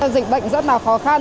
dịch bệnh rất là khó khăn